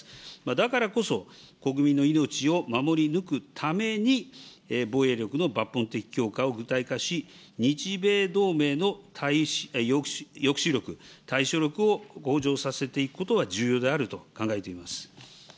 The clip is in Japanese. だからこそ、国民の命を守り抜くために、防衛力の抜本的強化を具体化し、日米同盟の抑止力、対処力を向上させていくことは重要であると考えています。